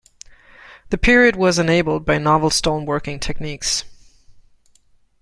The period was enabled by novel stone working techniques.